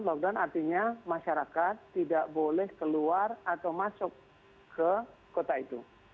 lockdown artinya masyarakat tidak boleh keluar atau masuk ke kota itu